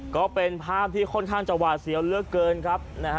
ก็เป็นภาพที่ค่อนข้างจะหวาดเสียวเหลือเกินครับ